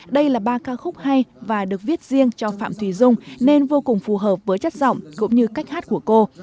đây là ba ca khúc hay và được viết riêng cho phạm thùy dung nên vô cùng phù hợp với chất giọng cũng như cách hát của cô